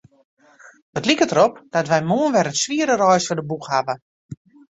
It liket derop dat wy moarn wer in swiere reis foar de boech hawwe.